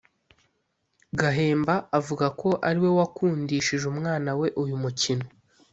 Gahemba avuga ko ariwe wakundishije umwana we uyu mukino